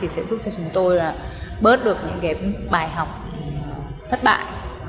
sẽ giúp cho chúng tôi bớt được những bài học thất bại